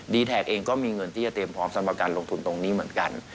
แทนเองก็มีเงินที่จะเตรียมพร้อมสำหรับการลงทุนตรงนี้เหมือนกัน